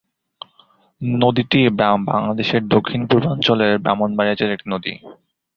নদীটি বাংলাদেশের দক্ষিণ-পূর্বাঞ্চলের ব্রাহ্মণবাড়িয়া জেলার একটি নদী।